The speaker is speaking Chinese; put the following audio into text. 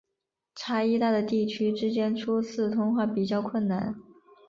差异大的地区之间初次通话比较困难。